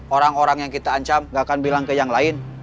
orang orang yang kita ancam gak akan bilang ke yang lain